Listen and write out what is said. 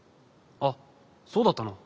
あっそうだったの？